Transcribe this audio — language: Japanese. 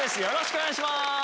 よろしくお願いします。